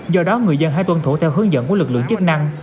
do đó người dân hãy tuân thủ theo hướng dẫn của lực lượng chức năng